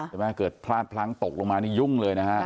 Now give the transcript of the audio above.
เกิดพลาดพลั้งตกลงมานี่ยุ่งเลยนะฮะ